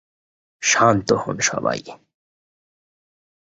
শান্ত হোন সবাই।